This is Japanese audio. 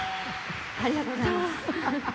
ありがとうございます。